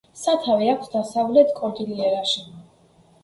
სათავე აქვს დასავლეთ კორდილიერაში.